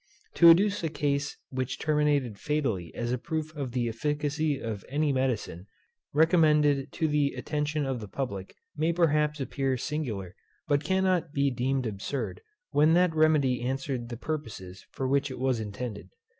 To adduce a case which terminated fatally as a proof of the efficacy of any medicine, recommended to the attention of the public, may perhaps appear singular; but cannot be deemed absurd, when that remedy answered the purposes for which it was intended.